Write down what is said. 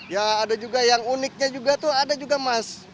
ya ada juga yang uniknya juga tuh ada juga mas